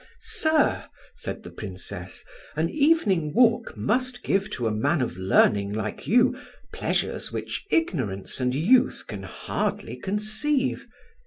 "Sir," said the Princess, "an evening walk must give to a man of learning like you pleasures which ignorance and youth can hardly conceive.